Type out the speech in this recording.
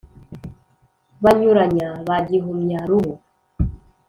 banyuranya ba gihumya ruhu,